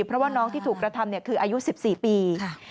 เพราะว่าน้องที่ถูกกระทำคืออายุ๑๔ปี